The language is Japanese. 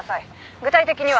具体的には。